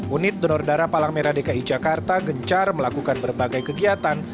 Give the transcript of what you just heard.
unit donor darah palang merah dki jakarta gencar melakukan berbagai kegiatan